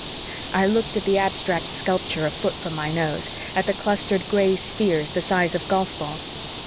I looked at the abstract sculpture a foot from my nose, at the clustered gray spheres the size of golf balls.